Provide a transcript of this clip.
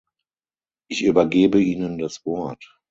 Ich übergebe Ihnen das Wort.